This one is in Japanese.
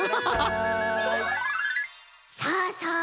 さあさあ